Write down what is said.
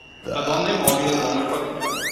La donna è mobile, l'uomo è falegname.